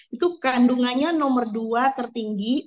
itu kandungannya nomor dua tertinggi